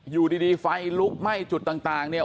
อยู่ดีไฟลุกไหม้จุดต่างเนี่ย